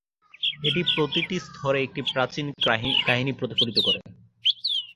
এটি প্রতিটি স্তরে একটি প্রাচীন কাহিনী প্রতিফলিত করে।